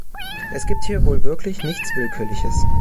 Es gibt hier wohl wirklich nichts Willkürliches.